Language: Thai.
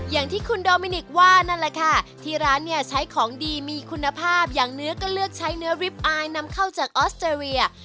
อย่างที่คุณโดมินิกว่านั่นแหละค่ะที่ร้านเนี่ยใช้ของดีมีคุณภาพอย่างเนื้อก็เลือกใช้เนื้อริปอายนำเข้าจากออสเตรเลีย